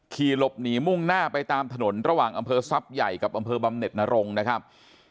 ขี่หลบหนีมุ่งหน้าไปตามถนนระหว่างอำเภอทรัพย์ใหญ่กับอำเภอบำเน็ตนรงนะครับ